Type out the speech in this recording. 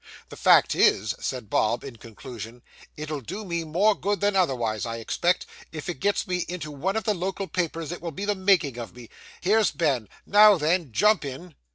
The fact is,' said Bob, in conclusion, 'it'll do me more good than otherwise, I expect. If it gets into one of the local papers, it will be the making of me. Here's Ben; now then, jump in!